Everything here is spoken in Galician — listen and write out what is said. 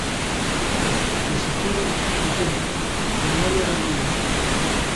Deseguido, o tempo, con Noelia Rodríguez.